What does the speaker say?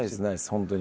本当に。